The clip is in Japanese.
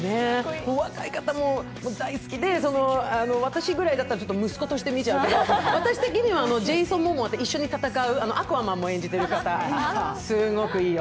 お若い方も大好きで、私ぐらいだったら息子として見ちゃうんだけど、私的にはジェーソンと一緒に戦うアクアマンも演じている方、すごくいいよ。